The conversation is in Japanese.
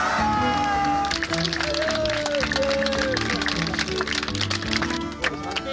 イエーイ！